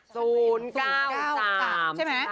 ใช่มั้ย